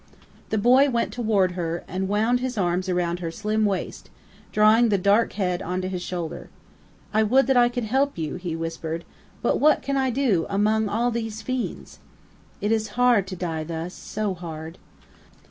The boy went toward her, and wound his arms around her slim waist, drawing the dark head onto his shoulder. "I would that I could help you," he whispered. "But what can I do among all these fiends?" "It is hard to die thus so hard."